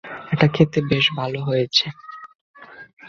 এটা খেতে বেশ ভালো হয়েছে!